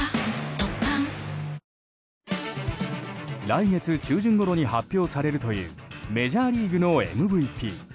来月中旬ごろに発表されるというメジャーリーグのＭＶＰ。